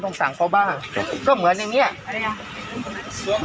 สั่งเขาบ้างก็เหมือนอย่างเงี้ยอะไรไง